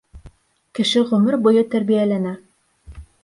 Кеше ғүмер буйы тәрбиәләнә.